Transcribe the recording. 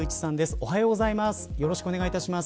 おはようございます。